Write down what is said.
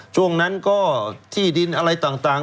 ช่วงนั้นก็ที่ดินอะไรต่าง